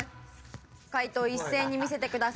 解答一斉に見せてください。